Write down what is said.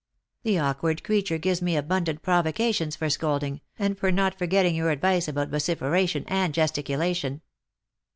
The awkward creature gives me abundant provocation for scolding, and for not forgetting your advice about vociferation and gesticulation."